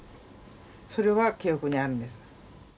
それは記憶にあるんです。